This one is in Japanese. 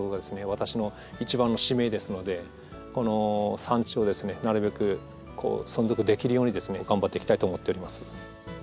私の一番の使命ですのでこの産地をですねなるべく存続できるようにですね頑張っていきたいと思っております。